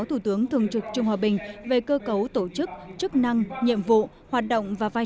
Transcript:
thủ tướng thường trực trung hòa bình về cơ cấu tổ chức chức năng nhiệm vụ hoạt động và vai